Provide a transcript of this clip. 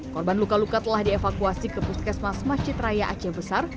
korban luka luka telah dievakuasi ke puskesmas masjid raya aceh besar